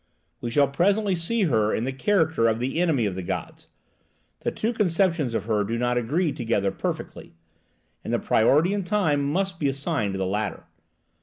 We shall presently see her in the character of the enemy of the gods. The two conceptions of her do not agree together perfectly, and the priority in time must be assigned to the latter.